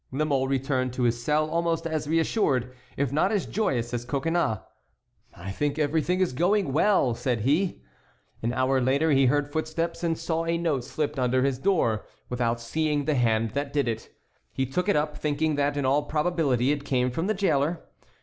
La Mole returned to his cell almost as reassured, if not as joyous, as Coconnas. "I think everything is going well," said he. An hour later he heard footsteps and saw a note slipped under his door, without seeing the hand that did it. He took it up, thinking that in all probability it came from the jailer?